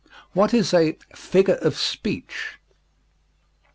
What is a "figure of speech"?